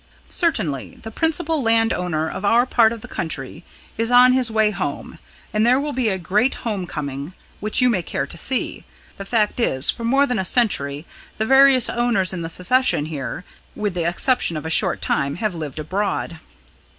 "Certainly. The principal landowner of our part of the county is on his way home, and there will be a great home coming, which you may care to see. The fact is, for more than a century the various owners in the succession here, with the exception of a short time, have lived abroad."